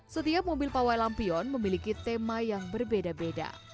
setiap mobil pawai lampion memiliki tema yang berbeda beda